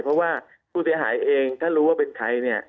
เพราะว่าผู้เสียหายเองถ้ารู้ว่าเป็นใครเนี่ย